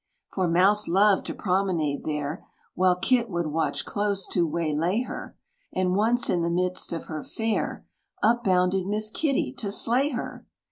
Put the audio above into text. For Mouse loved to promenade there, While Kit would watch close to waylay her; And once, in the midst of her fare, Up bounded Miss Kitty to slay her!